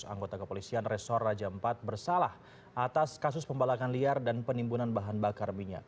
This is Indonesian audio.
anggota kepolisian resor raja iv bersalah atas kasus pembalakan liar dan penimbunan bahan bakar minyak